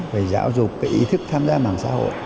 phải giáo dục cái ý thức tham gia mạng xã hội